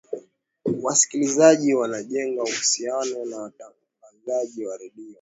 wasikilizaji wanajenga uhusiano na watangazaji wa redio